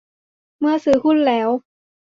เมื่อซื้อหุ้นแล้ว